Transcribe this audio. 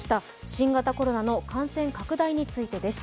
新型コロナの感染拡大についてです。